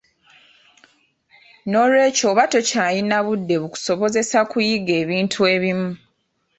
Noolwekyo oba tokyalina budde bukusobozesa kuyiga ebintu ebimu.